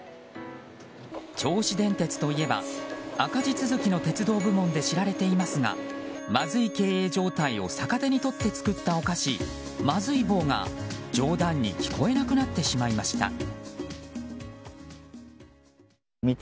銚子電鉄といえば赤字続きの鉄道部門で知られていますがまずい経営状態を逆手に取って作ったお菓子、まずい棒が冗談に聞こえなくなってしまいました。